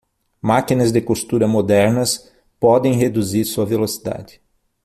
Máquinas de costura modernas podem reduzir sua velocidade.